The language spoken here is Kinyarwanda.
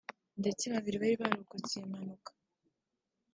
ndetse babiri bari barokotse iyi mpanuka